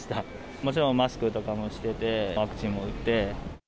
もちろん、マスクとかもしてて、ワクチンも打って。